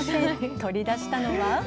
取り出したのは。